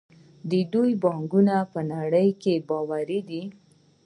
د دوی بانکونه په نړۍ کې باوري دي.